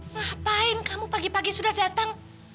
ngapain kamu pagi pagi sudah datang